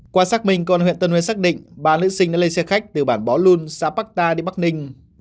quan sát mình công an huyện tân uyên xác định ba nữ sinh đã lên xe khách từ bản bó lùn xã bắc ta đi bắc ninh